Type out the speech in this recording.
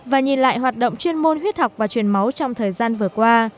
và nhìn lại hoạt động chuyên môn huyết học và truyền máu trong thời gian vừa qua